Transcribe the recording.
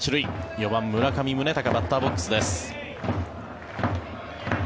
４番、村上宗隆バッターボックスです。